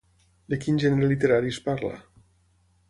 De quin gènere literari es parla?